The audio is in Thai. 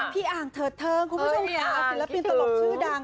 อ่างเถิดเทิงคุณผู้ชมค่ะศิลปินตลกชื่อดัง